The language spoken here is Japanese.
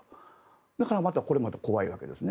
だからこれまた怖いわけですね。